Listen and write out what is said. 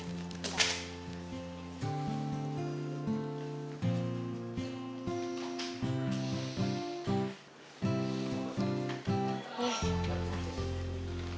udah aku ambil minum